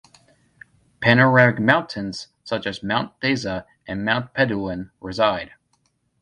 Panoramic mountains such as Mount Dasa and Mount Pedoluan reside.